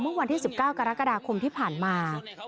เมื่อวันที่๑๙กรกฎาคมที่ผ่านมา